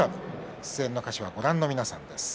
出演の歌手は、ご覧の皆さんです。